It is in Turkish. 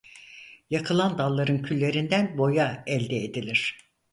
Yakılan dalların küllerinden boya elde edilir.